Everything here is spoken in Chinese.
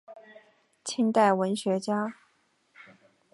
清代文学家。